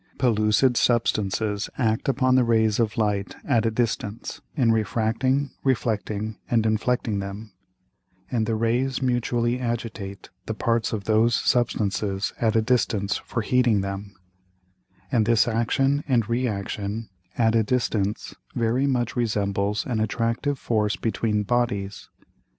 Pellucid Substances act upon the Rays of Light at a distance in refracting, reflecting, and inflecting them, and the Rays mutually agitate the Parts of those Substances at a distance for heating them; and this Action and Re action at a distance very much resembles an attractive Force between Bodies.